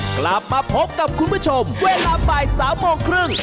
กลับมาพบกับคุณผู้ชมเวลาบ่าย๓โมงครึ่ง